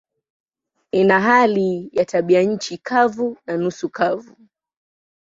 Ina hali ya tabianchi kavu na nusu kavu.